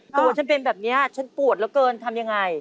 เหมือนฉันเป็นแบบนี้ฉันปวดเหลือเกินทำยังไง